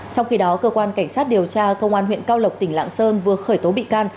trong khi đó cơ quan cảnh sát điều tra công an huyện cao lộc tỉnh lạng sơn vừa khởi tố bị can